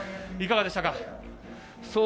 いかがでしたか？